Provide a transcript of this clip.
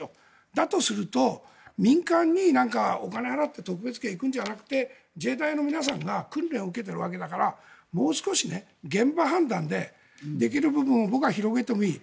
だとすると民間にお金を払って特別機が行くんじゃなくて自衛隊の皆さんが訓練を受けているわけだからもう少し現場判断でできる部分を僕は広げてもいい。